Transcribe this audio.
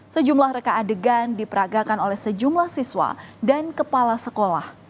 sejumlah reka adegan diperagakan oleh sejumlah siswa dan kepala sekolah